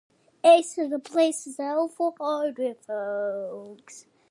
This decrease was due to extremely high concentrations of zebra mussels in the watershed.